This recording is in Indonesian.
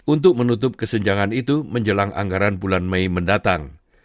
untuk menutup kesenjangan itu menjelang anggaran bulan mei mendatang